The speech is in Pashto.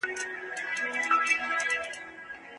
که انلاين مواد منظم وي زده کړه روښانه کيږي.